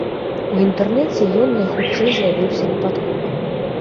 У інтэрнэце ён найхутчэй з'явіўся выпадкова.